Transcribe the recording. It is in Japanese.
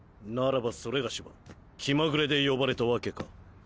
ならばそれがしは気まぐれで呼ばれたわけか。